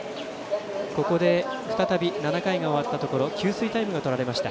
７回が終わったところ給水タイムがとられました。